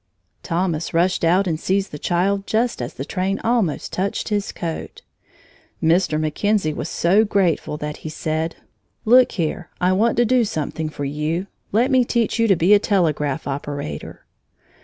Thomas rushed out and seized the child just as the train almost touched his coat. Mr. McKenzie was so grateful that he said: "Look here, I want to do something for you. Let me teach you to be a telegraph operator."